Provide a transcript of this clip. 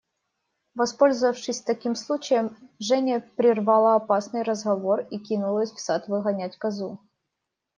Воспользовавшись таким случаем, Женя прервала опасный разговор и кинулась в сад выгонять козу.